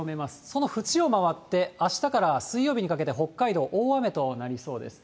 その縁を回って、あしたから水曜日にかけて北海道、大雨となりそうです。